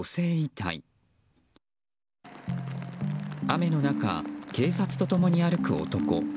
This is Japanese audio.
雨の中、警察と共に歩く男。